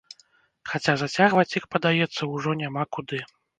Хаця зацягваць іх, падаецца, ужо няма куды.